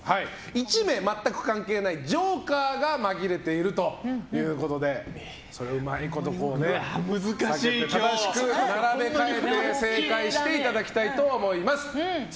１名全く関係ないジョーカーが紛れているということでそれをうまいこと避けて正しく並び替えて正解していただきたいと思います。